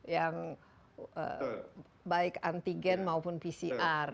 yang baik antigen maupun pcr